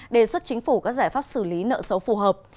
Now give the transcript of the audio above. đề xuất chính phủ các giải pháp xử lý nợ xấu phù hợp